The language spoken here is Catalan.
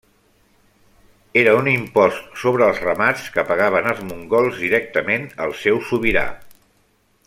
Era un impost sobre els ramats que pagaven els mongols directament al seu sobirà.